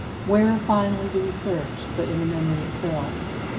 Where, finally, do we search, but in the memory itself?